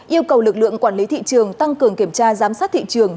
yêu cầu lực lượng quản lý thị trường tăng cường kiểm tra giám sát thị trường